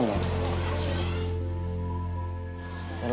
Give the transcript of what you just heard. nggak tahu apa apa